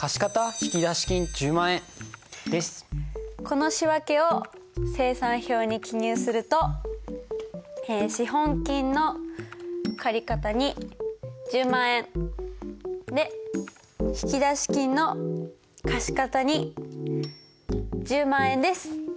この仕訳を精算表に記入すると資本金の借方に１０万円で引出金の貸方に１０万円です。